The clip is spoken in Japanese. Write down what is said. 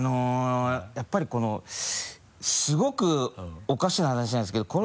やっぱりこのすごくおかしな話なんですけど。